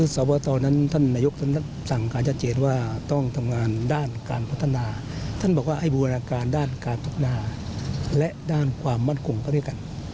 ส่วนหน้าการด้านการตกหน้าและด้านความมั่นคงก็ด้วยกัน